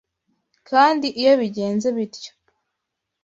kandi iyo bigenze bityo